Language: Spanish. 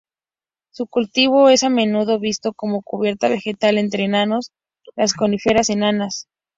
Su cultivo es a menudo visto como cubierta vegetal entre enanos las coníferas enanas.